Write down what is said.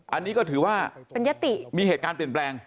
อันนี้ก็ถือว่าเป็นยติมีเหตุการณ์เปลี่ยนแปลง